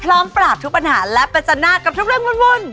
พร้อมปราบทุกปัญหาและประจันหน้ากับทุกเรื่องวุ่น